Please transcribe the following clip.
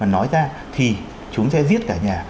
nói ra thì chúng sẽ giết cả nhà